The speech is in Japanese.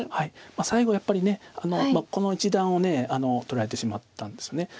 最後やっぱりこの一団を取られてしまったんです。